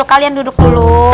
kalian duduk dulu